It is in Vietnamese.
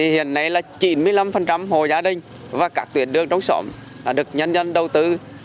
hiện nay là chín mươi năm hồ gia đình và các tuyến đường trong xóm đã được nhân dân đầu tư